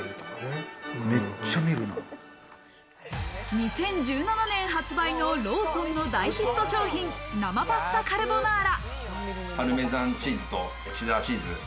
２０１７年発売のローソンの大ヒット商品「生パスタカルボナーラ」。